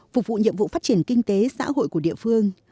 phục vụ nhiệm vụ phát triển kinh tế xã hội của địa phương